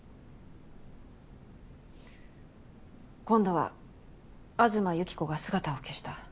今度は東幸子が姿を消した。